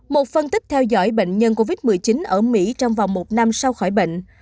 một phân tích theo dõi bệnh nhân covid một mươi chín ở mỹ trong vòng một năm sau khỏi bệnh